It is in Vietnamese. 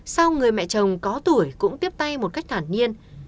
sau người mẹ chồng có tuổi cũng tiếp tay một cách thản nhiên